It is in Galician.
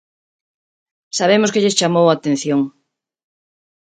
Sabemos que lles chamou a atención.